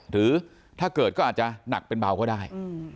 หรือถ้าเกิดก็อาจจะหนักเป็นเบาก็ได้